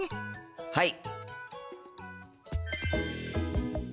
はい！